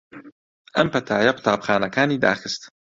ئەم پەتایە قوتابخانەکانی داخست